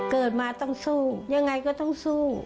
เกิดมาต้องสู้ยังไงก็ต้องสู้